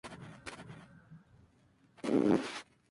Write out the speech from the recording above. semejante al ejercicio de un déspota para recrear una mediocridad